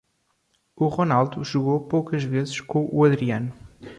O Ronaldo jogou poucas vezes com o Adriano.